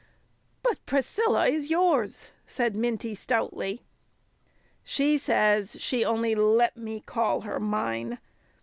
"But Priscilla is yours," said Minty stoutly. "She says she only let me call her mine.